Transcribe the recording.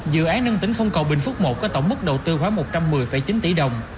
dự án nâng tỉnh không cầu bình phước một có tổng mức đầu tư khoá một trăm một mươi chín tỷ đồng